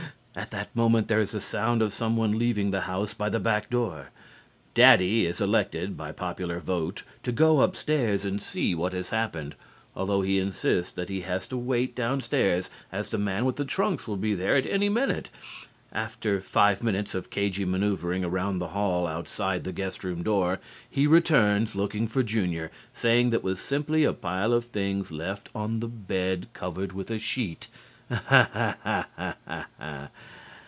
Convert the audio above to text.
At that moment there is a sound of someone leaving the house by the back door. Daddy is elected by popular vote to go upstairs and see what has happened, although he insists that he has to wait down stairs as the man with the trunks will be there at any minute. After five minutes of cagey manoeuvering around in the hall outside the guest room door, he returns looking for Junior, saying that it was simply a pile of things left on the bed covered with a sheet. "Aha ha ha ha ha!"